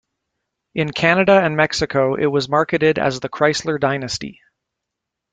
In Canada and Mexico it was marketed as the Chrysler Dynasty.